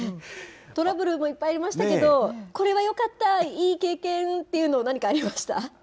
トラブルもいっぱいありましたけど、これはよかった、いい経験っていうの、何かありました？